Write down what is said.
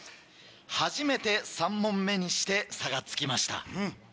初めて３問目にして差がつきました。